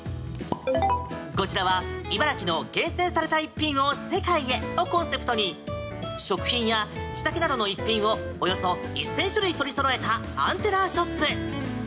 こちらは茨城の厳選された逸品を世界へをコンセプトに食品や地酒などの逸品をおよそ１０００種類取りそろえたアンテナショップ。